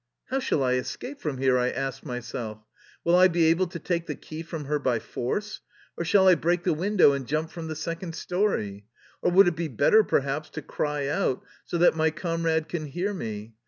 How shall I escape from here? I asked myself. Will I be able to take the key from her by force, or shall I break the window and jump from the second story? Or would it be better, perhaps, to cry out so that my comrade can hear me?